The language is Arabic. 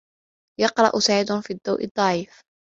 يَقْرَأُ سَعِيدٌ فِي الضَّوْءِ الضَّعِيفِ.